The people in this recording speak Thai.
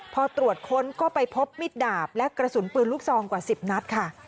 พอตรวจค้นก็ไปพบมิดดาบและกระสุนปืนลูกซองกว่า๑๐นัดค่ะ